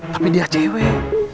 tapi dia cewek